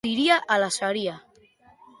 Ziria ala saria?